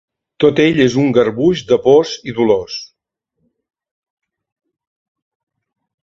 Tot ell és un garbuix de pors i dolors.